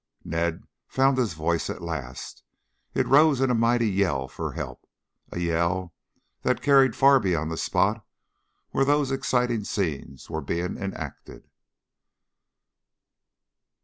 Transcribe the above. Ned found his voice at last. It rose in a mighty yell for help, a yell that carried far beyond the spot where those exciting scenes were being enacted.